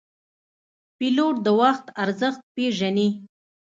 پیلوټ د وخت ارزښت پېژني.